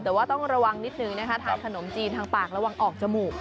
แต่ว่าต้องระวังนิดนึงนะคะทานขนมจีนทางปากระวังออกจมูก